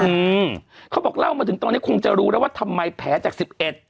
อืมเขาบอกเล่ามาถึงตอนนี้คงจะรู้แล้วว่าทำไมแผลจากสิบเอ็ด